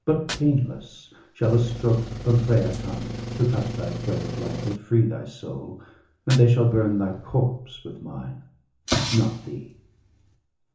But painless shall a stroke from Frea come, BALDER DEAD. 149 To cut thy thread of life, and free thy soul, And they shall burn thy corpse with mine, not thee.